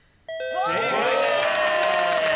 正解です。